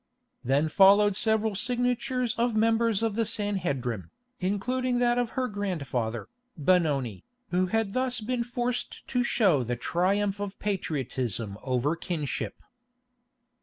_ Then followed several signatures of members of the Sanhedrim, including that of her grandfather, Benoni, who had thus been forced to show the triumph of patriotism over kinship.